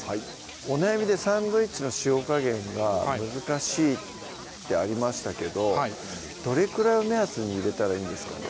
お悩みでサンドイッチの塩加減が難しいってありましたけどどれくらいを目安に入れたらいいんですかね？